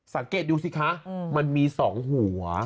สังเกตดูสิคะมันมี๒หัว